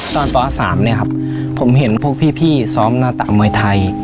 ป๓เนี่ยครับผมเห็นพวกพี่ซ้อมหน้าตะมวยไทย